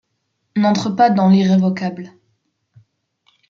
N’entre pas dans l’irrévocable.